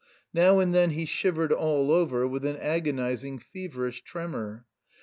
Now and then he shivered all over with an agonising, feverish tremor.